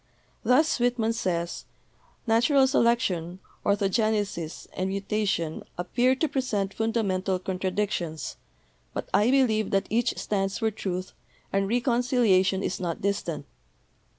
Thus Whitman says: "Natural selection, orthogenesis and mutation ap pear to present fundamental contradictions, but I believe that each stands for truth, and reconciliation is not distant.